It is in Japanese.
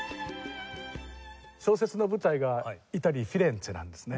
小説の舞台がイタリーフィレンツェなんですね。